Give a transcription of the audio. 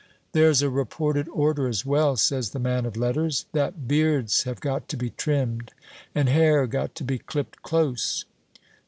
"There's a reported order as well," says the man of letters, "that beards have got to be trimmed and hair got to be clipped close."